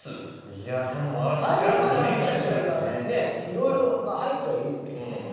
いろいろ入ってはいるけどね。